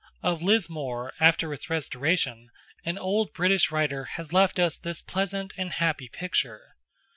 Of Lismore, after its restoration, an old British writer has left us this pleasant and happy picture.